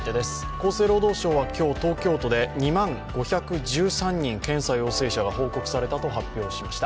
厚生労働省は今日、東京都で２万５１３人、検査陽性者が報告されたと発表しました。